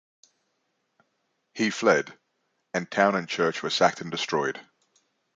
He fled, and town and church were sacked and destroyed.